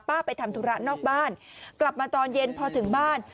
ไปทำธุระนอกบ้านกลับมาตอนเย็นพอถึงบ้าน